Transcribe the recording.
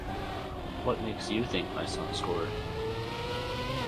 What makes you think my son scored?